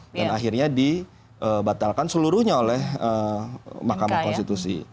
dan akhirnya dibatalkan seluruhnya oleh mahkamah konstitusi